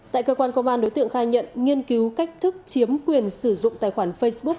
tại cơ quan công an đối tượng khai nhận nghiên cứu cách thức chiếm quyền sử dụng tài khoản facebook